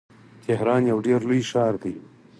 تهران یو ډیر لوی ښار دی.